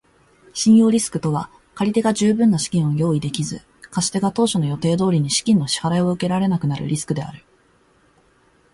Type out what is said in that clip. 信用リスクとは借り手が十分な資金を用意できず、貸し手が当初の予定通りに資金の支払を受けられなくなるリスクである。